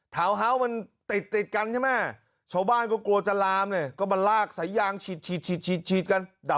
เท้าเฮ้าว์มันติดติดกันใช่ไหมชาวบ้านก็กลัวจะลามเนี่ยก็มาลากสายย่างชีด